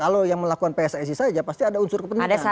kalau yang melakukan pssi saja pasti ada unsur kepentingan